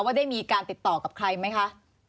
ได้มีการติดต่อกับใครไหมคะ